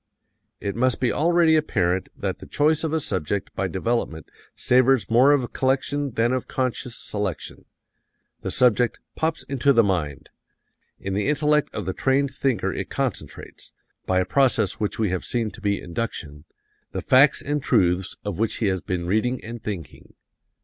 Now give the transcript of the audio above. "It must be already apparent that the choice of a subject by development savors more of collection than of conscious selection. The subject 'pops into the mind.' ... In the intellect of the trained thinker it concentrates by a process which we have seen to be induction the facts and truths of which he has been reading and thinking.